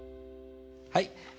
はい。